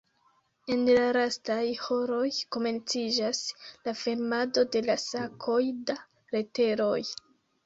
En la lastaj horoj komenciĝas la fermado de la sakoj da leteroj.